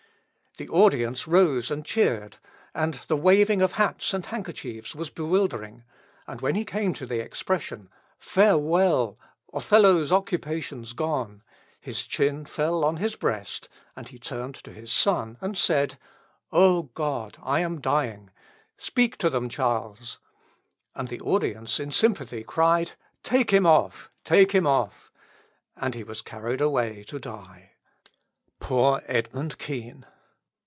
The audience rose and cheered, and the waving of hats and handkerchiefs was bewildering, and when he came to the expression, "Farewell! Othello's occupation's gone!" his chin fell on his breast, and he turned to his son and said: "O God, I am dying! speak to them Charles," and the audience in sympathy cried, "Take him off! take him off!" and he was carried away to die. Poor Edmund Kean!